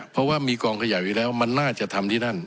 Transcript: เพราะว่ามีกองขยะอยู่แล้วมันน่าจะทำที่นั่น